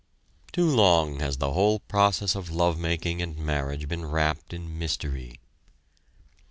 Too long has the whole process of love making and marriage been wrapped in mystery.